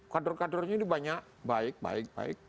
kader kadernya ini banyak baik baik